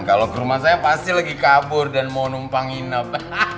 kalau ke rumah saya pasti lagi kabur dan mau numpangin apa